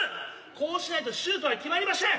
こうしないとシュートは決まりましぇん。